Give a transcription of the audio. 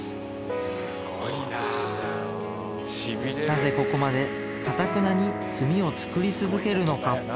なぜここまでかたくなに炭を作り続けるのか？